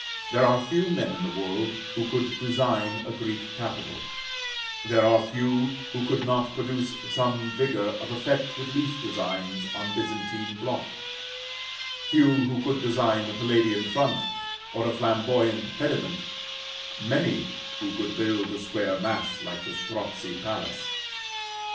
There are few men in the world who could design a Greek capital; there are few who could not produce some vigor of effect with leaf designs on Byzantine block: few who could design a Palladian front, or a flamboyant pediment; many who could build a square mass like the Strozzi palace.